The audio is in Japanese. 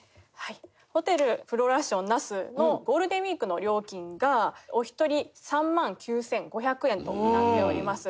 ホテル・フロラシオン那須のゴールデンウィークの料金がお一人３万９５００円となっております。